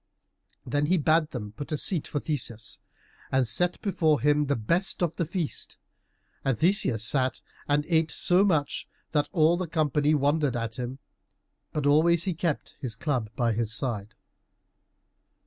Then he bade them put a seat for Theseus, and set before him the best of the feast, and Theseus sat and ate so much that all the company wondered at him, but always he kept his club by his side.